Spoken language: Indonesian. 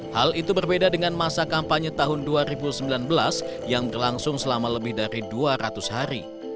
hal itu berbeda dengan masa kampanye tahun dua ribu sembilan belas yang berlangsung selama lebih dari dua ratus hari